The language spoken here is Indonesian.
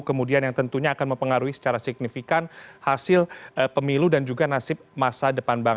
kemudian yang tentunya akan mempengaruhi secara signifikan hasil pemilu dan juga nasib masa depan bangsa